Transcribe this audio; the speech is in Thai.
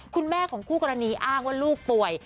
คุณแม่ของคู่กรณีอ้างว่าลูกป่วย